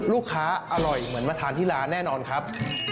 อร่อยเหมือนมาทานที่ร้านแน่นอนครับ